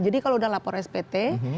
jadi kalau sudah lapor spt